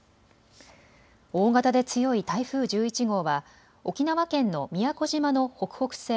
大型で強い台風１１号は沖縄県の宮古島の北北西